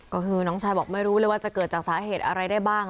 ก็คือน้องชายบอกไม่รู้เลยว่าจะเกิดจากสาเหตุอะไรได้บ้าง